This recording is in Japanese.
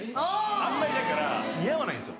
あんまりだから似合わないんです